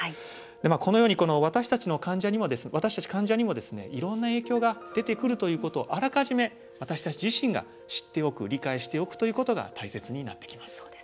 このように私たち患者にもいろんな影響が出てくるということをあらかじめ私たち自身が知っておく理解しておくということが大切になってきます。